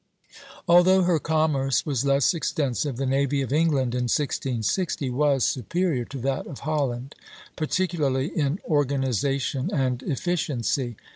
Although her commerce was less extensive, the navy of England in 1660 was superior to that of Holland, particularly in organization and efficiency.